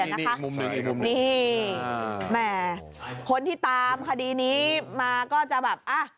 อันนี้มุมนี้มุมนี้นี่แหม่คนที่ตามคดีนี้มาก็จะแบบอะ